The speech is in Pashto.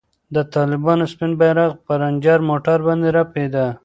د طالبانو سپین بیرغ پر رنجر موټر باندې رپېده.